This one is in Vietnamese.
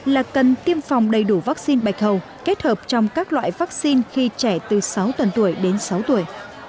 là cần tiêm phòng đầy đủ vaccine bạch hầu kết hợp trong các loại vaccine khi trẻ từ sáu tuần tuổi đến sáu tuổi